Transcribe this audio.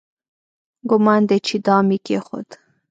ګومان دی چې دام یې کېښود.